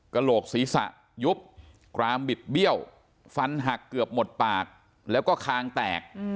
กระโหลกศีรษะยุบกรามบิดเบี้ยวฟันหักเกือบหมดปากแล้วก็คางแตก